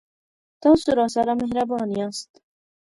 تاسو راسره مهربان یاست